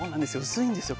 薄いんですよ